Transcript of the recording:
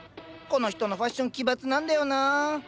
この人のファッション奇抜なんだよな。